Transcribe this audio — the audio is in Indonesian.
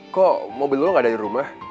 kok mobil lo ga ada di rumah